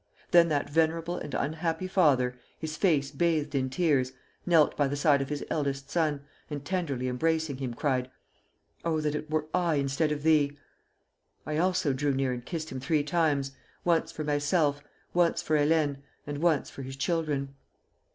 Then that venerable and unhappy father, his face bathed in tears, knelt by the side of his eldest son, and tenderly embracing him, cried; 'Oh that it were I instead of thee!' I also drew near and kissed him three times, once for myself, once for Hélène, and once for his children.